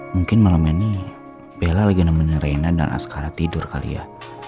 mungkin malam ini bella lagi nemenin rena dan askara tidur kali ya